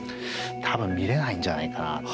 多分見れないんじゃないかな。